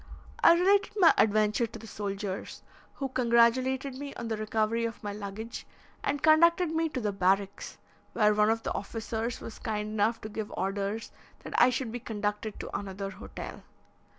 I related my adventure to the soldiers, who congratulated me on the recovery of my luggage, and conducted me to the barracks, where one of the officers was kind enough to give orders that I should be conducted to another hotel.